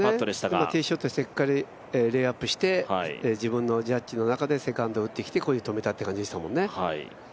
今ティーショットしてしっかりレイアップして、自分のジャッジの中でセカンド打ってきてここに止めたという感じでしたもんね。